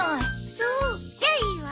そうじゃあいいわ。